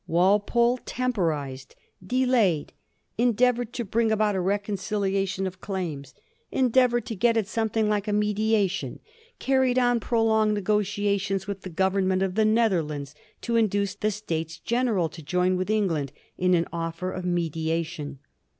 Walpole temporized, delayed, endeavored to bring about a reconciliation of claims; endeavored to get at something like a mediation ; carried on prolonged nego tiations with the Government of the Netherlands to in duce the States General to join with England in an offer of mediation.